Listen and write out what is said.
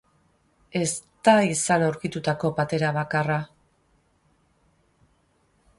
Ez da izan aurkitutako patera bakarra.